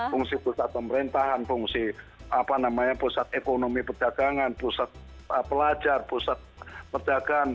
fungsi pusat pemerintahan fungsi pusat ekonomi perdagangan pusat pelajar pusat perdagangan